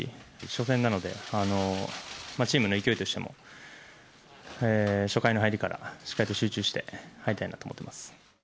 初戦なので、チームの勢いとしても、初回の入りから、しっかりと集中して、入りたいなと思います。